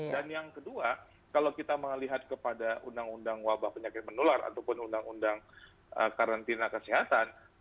dan yang kedua kalau kita melihat kepada undang undang wabah penyakit menular ataupun undang undang karantina kesehatan